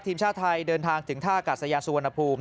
ทีมชาติไทยเดินทางถึงท่ากาศยานสุวรรณภูมิ